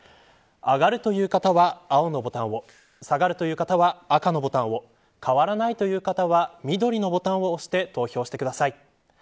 上がるという方は青のボタンを下がるという方は赤のボタンを変わらないという方は緑のボタンを押して投票してください。